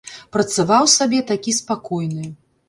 Працаваў сабе такі спакойны.